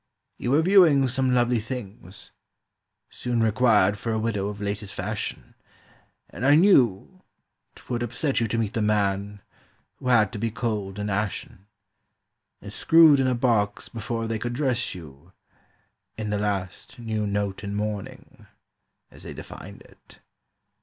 "You were viewing some lovely things. 'Soon required For a widow, of latest fashion'; And I knew 'twould upset you to meet the man Who had to be cold and ashen "And screwed in a box before they could dress you 'In the last new note in mourning,' As they defined it.